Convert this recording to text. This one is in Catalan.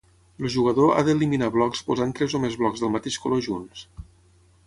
El jugador ha d'eliminar blocs posant tres o més blocs del mateix color junts.